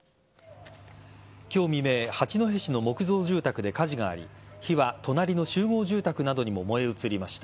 今日未明八戸市の木造住宅で火事があり火は隣の集合住宅などにも燃え移りました。